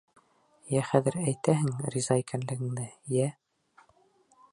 Йә хәҙер әйтәһең риза икәнлегеңде, йә...